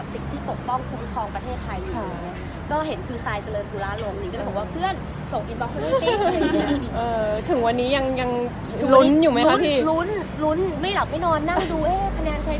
ต้องโพลอัพตลอดหมายถึงกายภาพทุกวัน